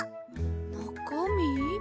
なかみ？